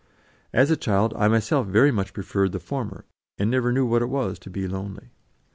As a child, I myself very much preferred the former, and never knew what it was to be lonely.